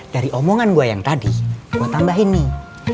dari omongan gue yang tadi gue tambahin nih